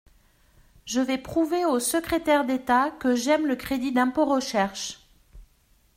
Je vais prouver au secrétaire d’État que j’aime le crédit d’impôt recherche.